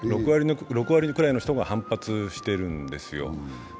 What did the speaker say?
６割くらいの人が反発してるんですよ。